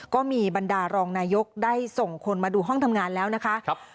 ก็มีบรรดารองนายกได้ส่งคนมาดูห้องทำงานแล้วนะคะ